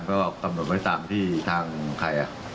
ก็กำหนดไว้ตามที่ทางใคร